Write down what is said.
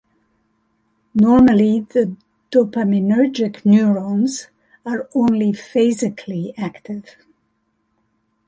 Normally, the dopaminergic neurons are only phasically active.